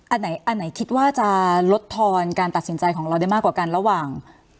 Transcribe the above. อันไหนคิดว่าจะลดทอนการตัดสินใจของเราได้มากกว่ากันระหว่าง